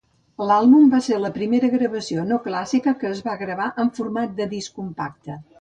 L'àlbum va ser la primera gravació no clàssica que es va gravar en format de disc compacte.